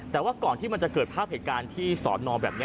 แต่ว่าก่อนที่มันจะเกิดภาพเหตุการณ์ที่สอนอแบบนี้